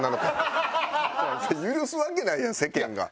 許すわけないやん世間が。